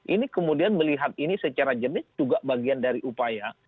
ini kemudian melihat ini secara jernih juga bagian dari upaya